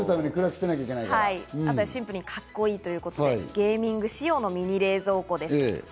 あとシンプルに、カッコいいということでゲーミング仕様のミニ冷蔵庫です。